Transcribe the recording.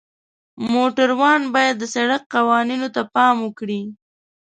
موټروان باید د سړک قوانینو ته پام وکړي.